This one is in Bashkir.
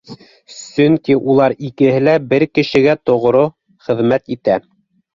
Сөнки улар икеһе лә бер кешегә тоғро хеҙмәт итә